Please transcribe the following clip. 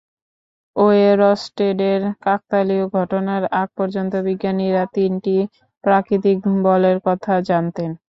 ওয়েরস্টেডের কাকতালীয় ঘটনার আগ পর্যন্ত বিজ্ঞানীরা তিনটি প্রাকৃতিক বলের কথা জানতেন।